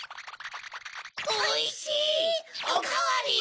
おいしい！おかわり！